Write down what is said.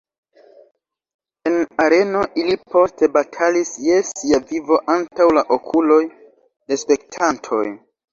En areno ili poste batalis je sia vivo antaŭ la okuloj de spektantoj.